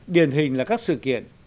điển hình là các sự kiện